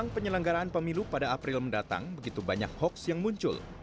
pada april mendatang begitu banyak hoaks yang muncul